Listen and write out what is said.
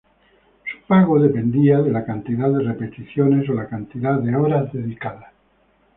Su pago dependía de la cantidad de repeticiones o la cantidad de horas dedicadas.